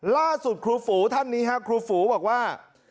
ล่าสุดครูฝูท่านนี้ครูฝูบอกว่า